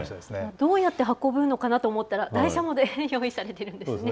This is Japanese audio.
どうやって運ぶのかなと思ったら、台車まで用意されてるんでそうですね。